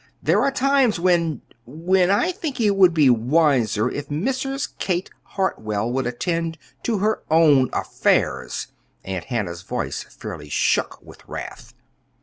"There are times when when I think it would be wiser if Mrs. Kate Hartwell would attend to her own affairs!" Aunt Hannah's voice fairly shook with wrath.